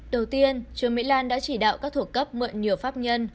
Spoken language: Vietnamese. đầu tiên trương mỹ lan đã chỉ đạo các thuộc cấp mượn nhiều pháp nhân